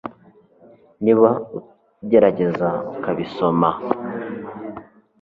niba ugerageza ukabisoma